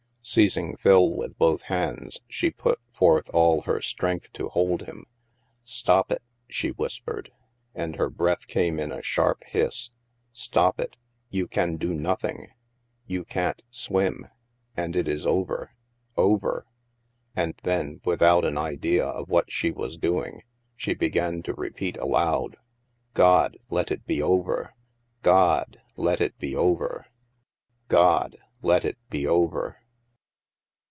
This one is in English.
Seizing Phil with both hands, she put forth all her strength to hold him. " Stop it," she whispered, and her breath came in a sharp hiss. " Stop it. You can do nothing. You can't swim. And it is over. Over.'' And then, without an idea of what she was doing, she began to repeat aloud, " God, let it be over ! God, let it be over ! God, let it be over